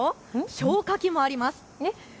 消火器もあります。